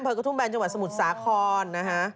เมื่อกระทุ่มแบนจังหวัดสมุทรสาคร